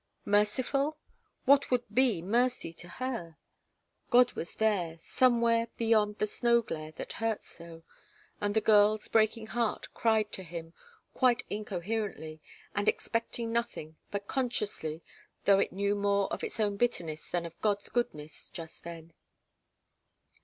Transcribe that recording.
Merciful? What would be mercy to her? God was there somewhere beyond the snow glare that hurt so, and the girl's breaking heart cried to Him, quite incoherently, and expecting nothing, but consciously, though it knew more of its own bitterness than of God's goodness, just then.